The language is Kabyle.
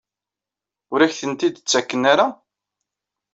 Ur ak-tent-id-ttaken ara?